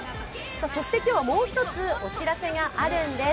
そして今日はもう一つお知らせがあるんです。